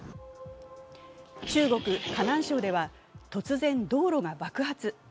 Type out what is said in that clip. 中国・河南省では当然、道路が爆発。